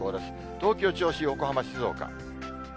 東京、銚子、横浜、静岡。